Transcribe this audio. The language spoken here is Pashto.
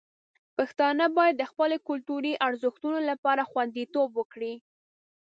پښتانه باید د خپلو کلتوري ارزښتونو لپاره خوندیتوب وکړي.